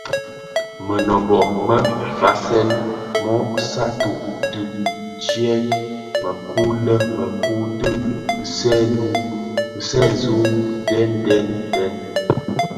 Mënôbö më vasèn mö satü tidyëk mëku lè mëku dhi binèsun deň deň deň.